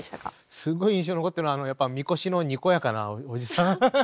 すごい印象に残ってるのはやっぱ御輿のにこやかなおじさん。